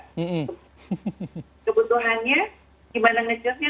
kebutuhannya gimana ngejelasnya